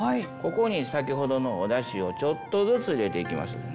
ここに先ほどのおだしをちょっとずつ入れていきます。